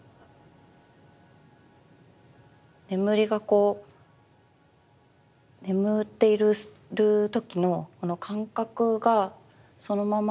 眠りがこう眠っている時のこの感覚がそのまま